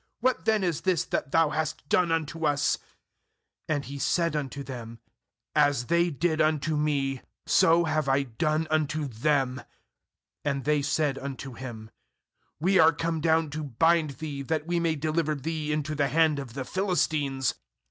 what then is this that thou hast done unto us?' And he said unto them: 'As they did unto me, so That is, The hitt of the jawbone. have I done unto them.' ^And they said unto him: 'We are come down to bind thee, that we may deliver thee into the hand of the Philistines.'